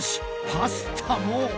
パスタも。